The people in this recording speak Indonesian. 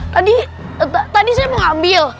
tadi tadi saya mau ambil